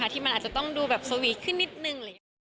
ที่มันอาจจะต้องดูแบบสวีคขึ้นนิดหนึ่ง